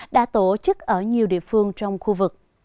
đã tổ chức ở nhiều địa phương trong khu vực